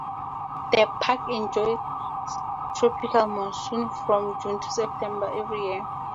The park enjoys tropical Monsoon from June to September every year.